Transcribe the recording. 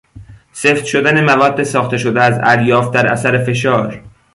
سفت شدن مواد ساخته شده از الیاف در اثر فشار